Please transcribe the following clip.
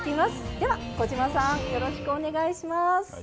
では小島さんよろしくお願いします。